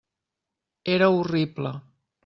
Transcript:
Era horrible.